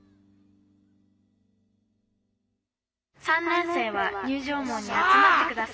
「３年生は入場門に集まってください」。